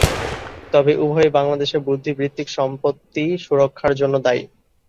তবে উভয়ই বাংলাদেশে বুদ্ধিবৃত্তিক সম্পত্তি সুরক্ষার জন্য দায়ী।